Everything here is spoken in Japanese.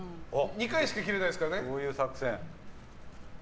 ２回しか切れないですからね。